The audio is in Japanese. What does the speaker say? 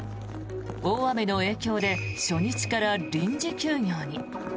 大雨の影響で初日から臨時休業に。